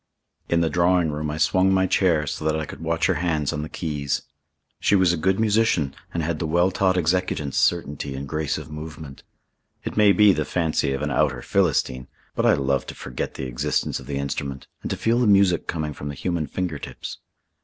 In the drawing room I swung my chair so that I could watch her hands on the keys. She was a good musician and had the well taught executant's certainty and grace of movement. It may be the fancy of an outer Philistine, but I love to forget the existence of the instrument and to feel the music coming from the human finger tips.